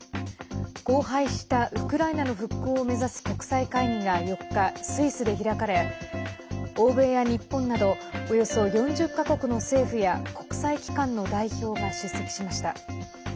荒廃したウクライナの復興を目指す国際会議が４日スイスで開かれ、欧米や日本などおよそ４０か国の政府や国際機関の代表が出席しました。